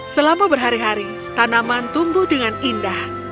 selama berhari hari tanaman tumbuh dengan indah